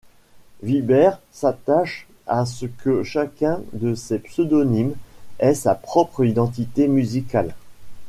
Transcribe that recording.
Vibert s'attache à ce que chacun de ses pseudonymes ait sa propre identité musicale.